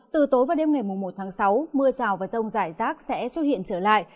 từ tối và đêm ngày một sáu mưa rào và sông giải giác sẽ xuất hiện trở lại